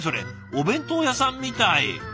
お弁当屋さんみたい。